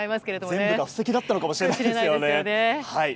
全部が布石だったのかもしれませんよね。